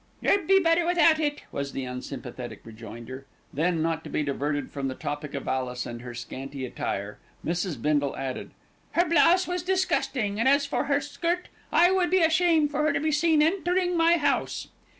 "You'd be better without it," was the unsympathetic rejoinder, then, not to be diverted from the topic of Alice and her scanty attire, Mrs. Bindle added, "Her blouse was disgusting, and as for her skirt, I should be ashamed for her to be seen entering my house."